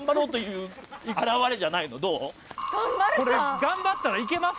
これ頑張ったらいけます？